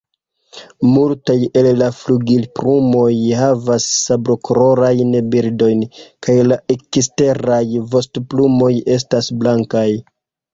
Multaj el la flugilplumoj havas sablokolorajn bordojn, kaj la eksteraj vostoplumoj estas blankaj.